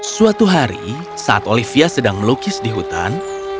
suatu hari saat olivia sedang melukis di hutan